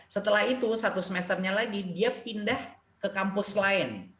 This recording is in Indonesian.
setelah itu satu semesternya lagi dia pindah ke kampus lain